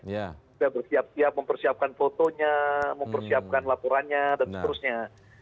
sudah bersiap siap mempersiapkan fotonya mempersiapkan laporannya dan seterusnya